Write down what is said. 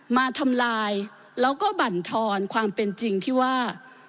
มาทำลายแล้วก็บรรทอนความเป็นจริงที่ว่า